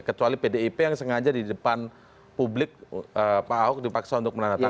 kecuali pdip yang sengaja di depan publik pak ahok dipaksa untuk menandatangani